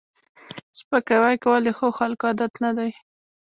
سپکاوی کول د ښو خلکو عادت نه دی